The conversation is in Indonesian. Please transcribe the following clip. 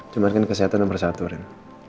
cuma ini kesehatan nomor satu ren